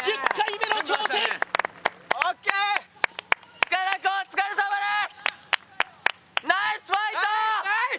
塚田君、お疲れさまです！